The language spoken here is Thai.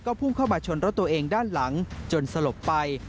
พุ่งเข้ามาชนรถตัวเองด้านหลังจนสลบไป